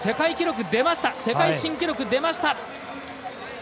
世界新記録出ました。